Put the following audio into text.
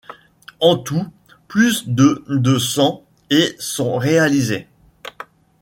En tout, plus de de sang et sont réalisés.